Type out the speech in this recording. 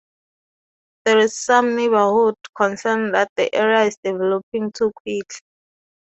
There is some neighborhood concern that the area is developing too quickly.